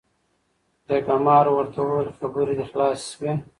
جرګمارو ورته وويل خبرې دې خلاصې شوې ؟